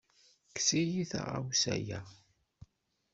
Kkes-iyi taɣawsa-ya!